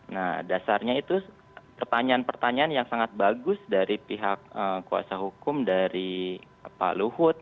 nah dasarnya itu pertanyaan pertanyaan yang sangat bagus dari pihak kuasa hukum dari pak luhut